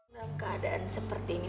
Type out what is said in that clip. kalo keadaan seperti ini